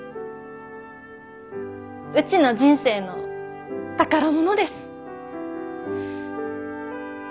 うちの人生の宝物です。